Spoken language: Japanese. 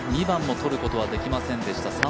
２番も取ることはできませんでした